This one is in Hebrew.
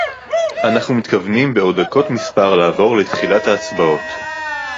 אנחנו מתכוונים בעוד דקות מספר לעבור לתחילת ההצבעות